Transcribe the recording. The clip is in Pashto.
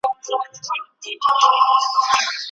موږ د يوې ټولنې غړي يو.